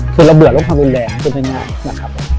คือเราเบื่อลดความรุนแรงพูดง่ายนะครับ